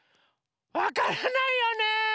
わからないよね。